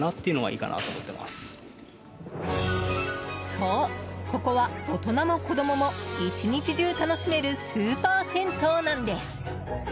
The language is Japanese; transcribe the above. そう、ここは大人も子供も１日中楽しめるスーパー銭湯なんです。